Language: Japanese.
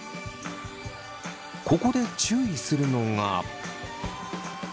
ここで注意するのが。